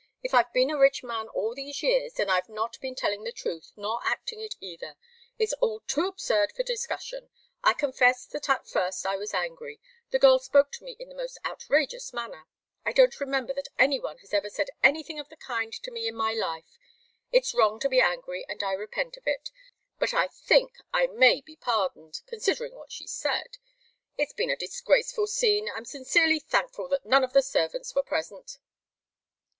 If I've been a rich man all these years, then I've not been telling the truth, nor acting it, either. It's all too absurd for discussion. I confess that at first I was angry. The girl spoke to me in the most outrageous manner. I don't remember that any one has ever said anything of the kind to me in my life. It's wrong to be angry, and I repent of it, but I think I may be pardoned considering what she said. It's been a disgraceful scene. I'm sincerely thankful that none of the servants were present."